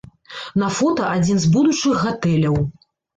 На фота адзін з будучых гатэляў.